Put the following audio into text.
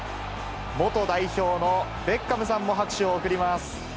元代表のベッカムさんも拍手を送ります。